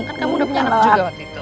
kan kamu udah punya anak juga waktu itu